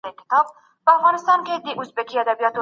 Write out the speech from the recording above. کوربه هیواد د سولي پروسه نه خرابوي.